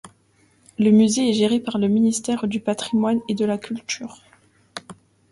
Le musée est géré par le Ministère du Patrimoine et de la Culture.